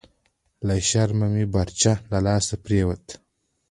لهٔ شرمه مې برچه لهٔ لاسه پریوته… »